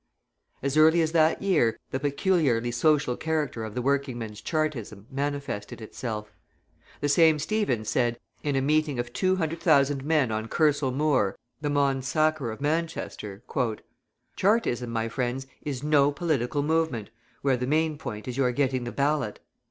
As early as that year the peculiarly social character of the working men's Chartism manifested itself. The same Stephens said, in a meeting of 200,000 men on Kersall Moor, the Mons Sacer of Manchester: "Chartism, my friends, is no political movement, where the main point is your getting the ballot.